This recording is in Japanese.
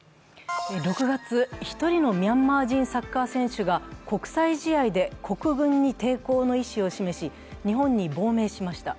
６月、１人のミャンマー人サッカー選手が国際試合で国軍に抵抗の意思を示し、日本に亡命しました。